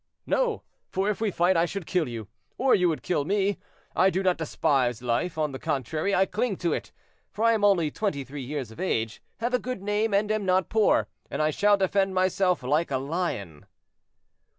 "No; for if we fight I should kill you, or you would kill me. I do not despise life; on the contrary, I cling to it, for I am only twenty three years of age, have a good name and am not poor, and I shall defend myself like a lion."